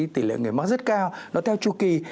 tỷ lệ người mắc rất cao nó theo chu kỳ